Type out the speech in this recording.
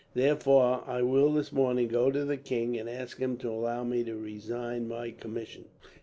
Therefore I will, this morning, go to the king and ask him to allow me to resign my commission."